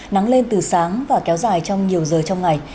nắng lên từ sáng và kéo dài trong nhiều giờ trong ngày